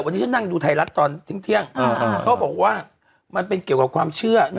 วันนี้ฉันนั่งดูไทยรัฐตอนเที่ยงเขาบอกว่ามันเป็นเกี่ยวกับความเชื่อ